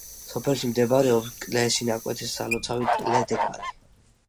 სოფელში მდებარეობს კლდეში ნაკვეთი სალოცავი „კლდეკარი“.